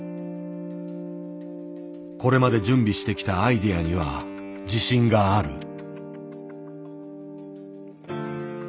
これまで準備してきたアイデアには自信がある。